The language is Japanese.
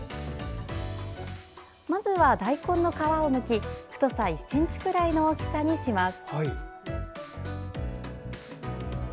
まずは大根の皮をむき、太さ１ｃｍくらいの大きさにします。